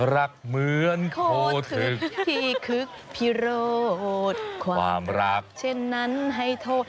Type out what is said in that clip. รักเหมือนโคทึกที่คึกพิโรธความรักเช่นนั้นให้โทษ